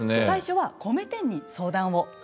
最初は米店に相談を。